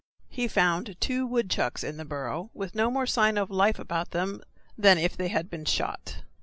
He found two woodchucks in the burrow, with no more sign of life about them than if they had been shot.